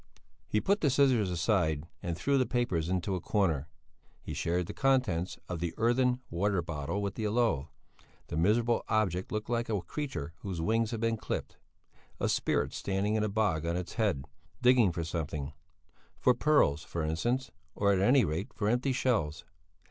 He put the scissors aside and threw the papers into a corner; he shared the contents of the earthen water bottle with the aloe; the miserable object looked like a creature whose wings had been clipped; a spirit standing in a bog on its head, digging for something; for pearls, for instance, or at any rate, for empty shells.